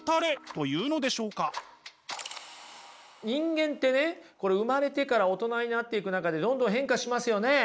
人間ってね生まれてから大人になっていく中でどんどん変化しますよね。